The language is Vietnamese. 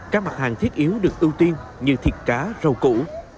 các mặt hàng thiết yếu được ưu tiên như thịt cá rau củ